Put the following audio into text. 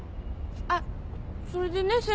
あっそれでね先輩。